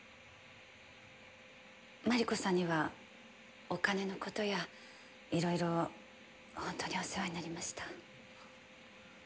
麻理子さんにはお金の事や色々本当にお世話になりました。